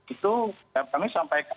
itu kami sampai